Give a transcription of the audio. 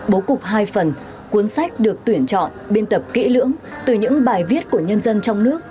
bố cục hai phần cuốn sách được tuyển chọn biên tập kỹ lưỡng từ những bài viết của nhân dân trong nước